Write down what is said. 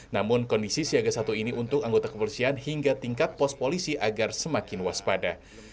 namun kondisi siaga satu ini untuk anggota kepolisian hingga tingkat pos polisi agar semakin waspada